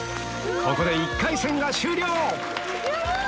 ここで１回戦が終了・ヤバい！